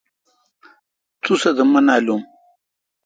تس سہ تو مہ نالم۔